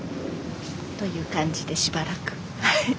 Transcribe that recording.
という感じでしばらく。